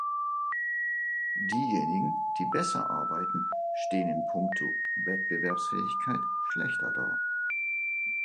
Diejenigen, die besser arbeiten, stehen in punkto Wettbewerbsfähigkeit schlechter da.